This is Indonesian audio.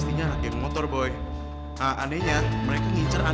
eh bentar bentar